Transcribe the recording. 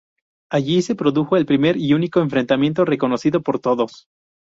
Allí se produjo el primer y único enfrentamiento reconocido por todos.